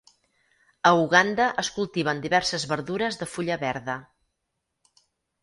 A Uganda es cultiven diverses verdures de fulla verda.